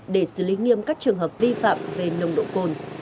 để xử lý nghiêm các trường hợp vi phạm về nồng độ cồn